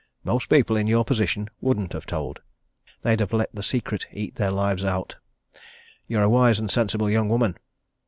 Most people in your position wouldn't have told. They'd have let the secret eat their lives out. You're a wise and a sensible young woman!